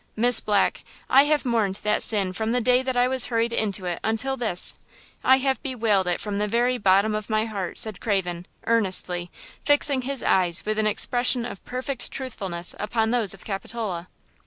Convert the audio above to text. Miss Black, I have mourned that sin from the day that I was hurried into it until this. I have bewailed it from the very bottom of my heart," said Craven, earnestly, fixing his eyes with an expression of perfect truthfulness upon those of Capitola.